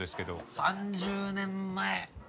３０年前。